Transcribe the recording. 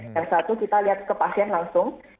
yang satu kita lihat ke pasien langsung